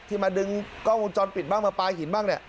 เธอมาดึงกล้องกรุงจอลปิดบ้างมาปลายหินบ้าง